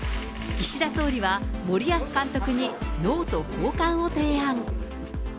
岸田総理は森保監督にノート交換を提案。